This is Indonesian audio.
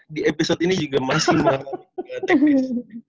di episode ini juga masih mengalami teknis